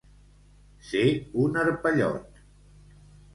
Ser un arpellot.